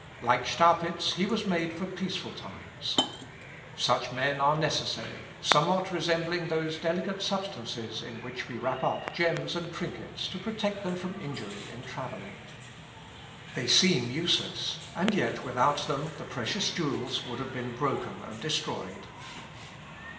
Like Staupitz he was made for peaceful times. Such men are necessary, somewhat resembling those delicate substances in which we wrap up jems and trinkets to protect them from injury in travelling. They seem useless, and yet without them the precious jewels would have been broken and destroyed.